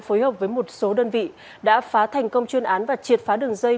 phối hợp với một số đơn vị đã phá thành công chuyên án và triệt phá đường dây